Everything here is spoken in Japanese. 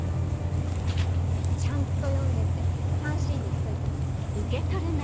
ちゃんと読んでってさんしーに言っといて。